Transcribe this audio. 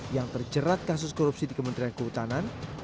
yang terjerat kasus korupsi di kementerian kehutanan